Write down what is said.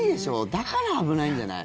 だから危ないんじゃない？